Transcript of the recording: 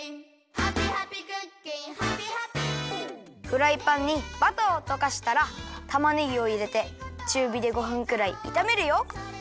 フライパンにバターをとかしたらたまねぎをいれてちゅうびで５ふんくらいいためるよ。